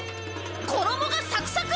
衣がサクサク！